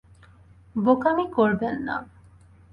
বোকামি করবেন না।